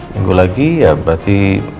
minggu lagi ya berarti